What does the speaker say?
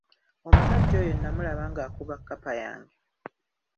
Omusajja oyo nnamulaba ng'akuba kkapa yange.